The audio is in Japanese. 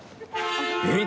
えっ？